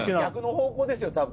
逆の方向ですよ